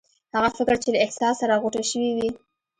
هغه فکر چې له احساس سره غوټه شوی وي.